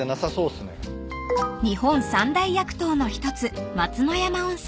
［日本三大薬湯の一つ松之山温泉］